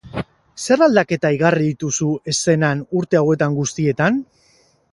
Zer aldaketa igarri dituzu eszenan urte hauetan guztietan?